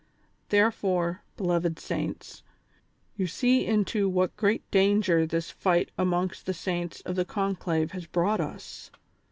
Therefore, beloved saints, j'ou see into what great danger this fight amongst the saints of the conclave has brought us.